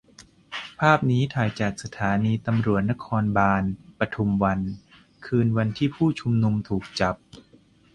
ภาพนี้ถ่ายจากสถานีตำรวจนครบาลปทุมวัน คืนวันที่ผู้ชุมนุมถูกจับ